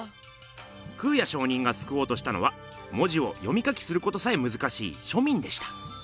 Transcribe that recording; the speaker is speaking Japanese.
空也上人がすくおうとしたのは文字を読み書きすることさえむずかしい庶民でした。